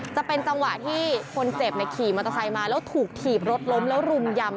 จะเป็นจังหวะที่คนเจ็บขี่มอเตอร์ไซค์มาแล้วถูกถีบรถล้มแล้วรุมยำ